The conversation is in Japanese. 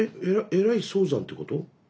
えらい早産ということ？